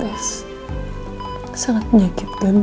masive menjadi seperti darling